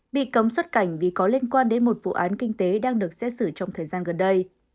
bị cấm xuất cảnh vì có liên quan đến một vụ án kinh tế đang được xét xử trong thời gian gần đây